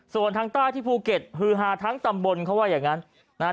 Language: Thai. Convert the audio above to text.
ส่วนทางใต้ที่ภูเก็ตฮือฮาทั้งตำบลเขาว่าอย่างงั้นนะฮะ